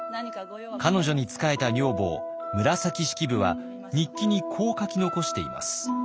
彼女に仕えた女房紫式部は日記にこう書き残しています。